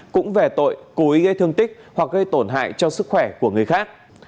cũng về tội cố ý gây thương tích hoặc gây tổn hại cho sức khỏe của người khác